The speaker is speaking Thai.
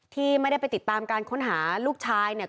ที่ไม่ได้ไปติดตามการค้นหาลูกชายเนี่ย